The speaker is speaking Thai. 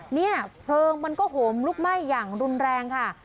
เนี่ยเพลิงมันก็โหมลุกไหม้อย่างรุนแรงค่ะ